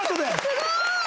すごい！